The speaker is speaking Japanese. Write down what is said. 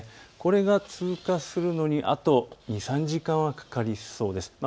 これが通過するのにあと２、３時間はかかりそうです。